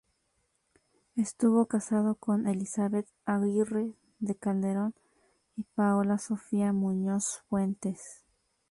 Estuvo casado con Elizabeth Aguirre de Calderón y Paola Sofía Muñoz Fuentes.